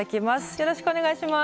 よろしくお願いします。